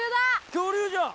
恐竜じゃん！